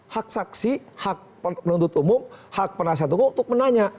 hak saksi hak penuntut umum hak penasihat hukum untuk menanya